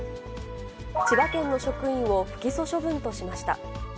千葉県の職員を不起訴処分としました。